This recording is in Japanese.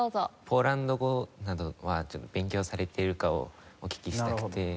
ポーランド語などは勉強されているかをお聞きしたくて。